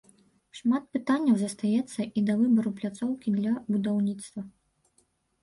Шмат пытанняў застаецца і да выбару пляцоўкі для будаўніцтва.